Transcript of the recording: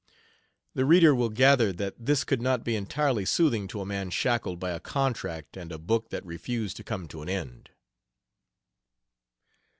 The reader will gather that this could not be entirely soothing to a man shackled by a contract and a book that refused to come to an end.